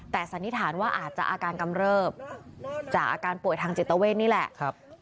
แต่สันนิษฐานว่าอาจจะอาการกำเริบจากอาการป่วยทางจิตเวทนี่แหละ